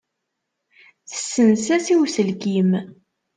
Tessens-as i uselkim.